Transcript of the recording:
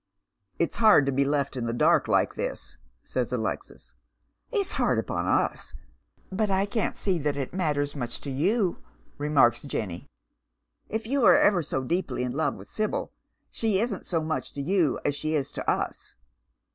" It's hard to be left in the dark like this," says Alexis. " It's hard upon us, but I can't see that it matters much to you," remarks Jenny. " If you are ever so deeply in love with Sibyl, she isn't so much to you as she is to us."